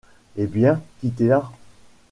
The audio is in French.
Eh ! bien, quittez-la…